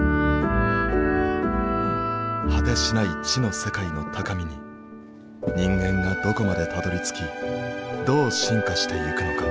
果てしない知の世界の高みに人間がどこまでたどりつきどう進化していくのか。